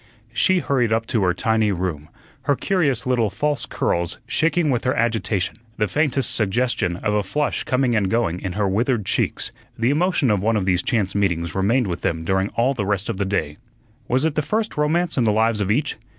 She hurried up to her tiny room, her curious little false curls shaking with her agitation, the faintest suggestion of a flush coming and going in her withered cheeks. The emotion of one of these chance meetings remained with them during all the rest of the day. Was it the first romance in the lives of each?